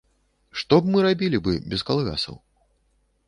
Што б мы рабілі бы без калгасаў?